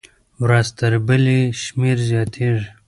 ورځ تر بلې یې شمېر زیاتېږي.